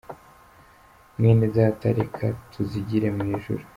Mwewe Data, reka tuzigire mu ijuru.